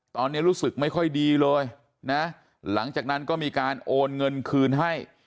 ตอนนี้รู้สึกไม่ค่อยดีเลยนะหลังจากนั้นก็มีการโอนเงินคืนให้